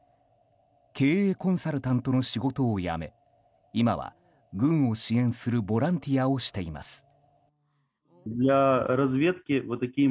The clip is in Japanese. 経営コンサルタントの仕事を辞め今は軍を支援するボランティアをしています。